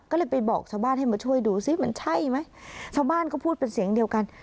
ก็เลยไปบอกชาวบ้านให้มาช่วยดูสิมันใช่ไหมชาวบ้านก็พูดเป็นเสียงเดียวกัน